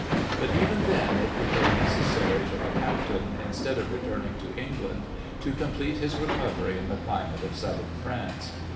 But even then it became necessary for the Captain, instead of returning to England, to complete his recovery in the climate of Southern France.